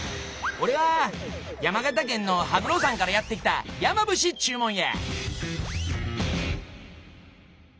「おれは山形県の羽黒山からやって来た山伏っちゅうもんや！」。